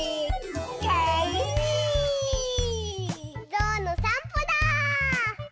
ぞうのさんぽだ！